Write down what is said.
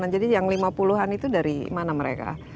jadi yang lima puluh an itu dari mana mereka